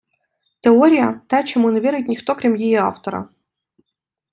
Теорія – те, чому не вірить ніхто, крім її автора.